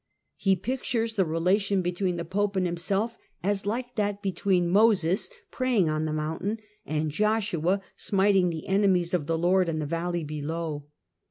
He pictures the relation between the Pope and himself as like that between Moses praying on the mountain and Joshua smiting the enemies of the Lord in the valley below.